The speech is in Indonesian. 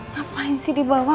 ngapain sih di bawah